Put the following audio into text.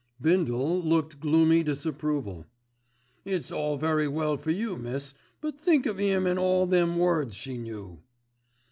Bindle looked gloomy disapproval. "It's all very well for you miss, but think of 'im an' all them words she knew."